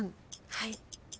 はい。